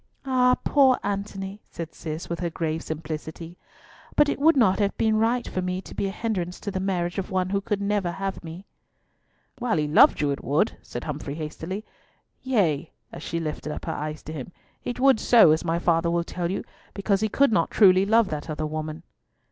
"Ah, poor Antony!" said Cis, with her grave simplicity. "But it would not have been right for me to be a hindrance to the marriage of one who could never have me." "While he loved you it would," said Humfrey hastily. "Yea," as she lifted up her eyes to him, "it would so, as my father will tell you, because he could not truly love that other woman."